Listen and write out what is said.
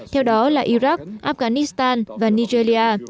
theo đó là iraq afghanistan và nigeria